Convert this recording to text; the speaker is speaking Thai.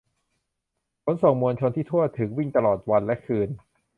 ขนส่งมวลชนที่ทั่วถึง วิ่งตลอดวันและคืน